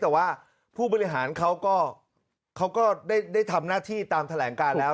แต่ว่าผู้บริหารเขาก็ได้ทำหน้าที่ตามแถลงการแล้ว